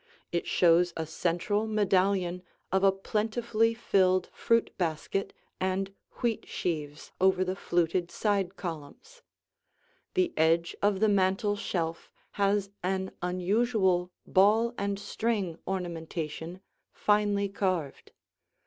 It shows a central medallion of a plentifully filled fruit basket and wheat sheaves over the fluted side columns; the edge of the mantel shelf has an unusual ball and string ornamentation finely carved.